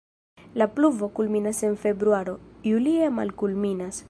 La pluvo kulminas en februaro, julie malkulminas.